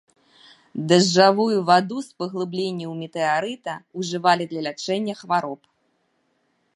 Дажджавую ваду з паглыбленняў метэарыта ўжывалі для лячэння хвароб.